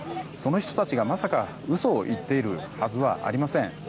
その人たちが、まさか嘘を言っているはずはありません。